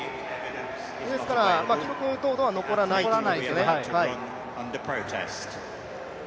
ですから記録等は残らないということですね。